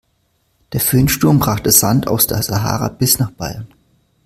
Der Föhnsturm brachte Sand aus der Sahara bis nach Bayern.